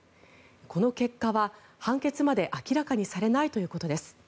この結果は判決まで明らかにされないということです。